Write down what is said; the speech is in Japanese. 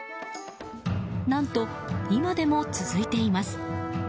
何と今でも続いています。